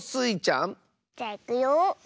じゃいくよ。